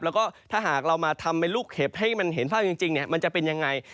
แล้วก็ถ้าหากเรามาทำเป็นลูกเห็บให้มันเห็นภาพจริงมันจะเป็นยังไง